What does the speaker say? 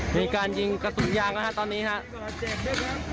มีการยิงกระสุนยางตอนนี้ครับ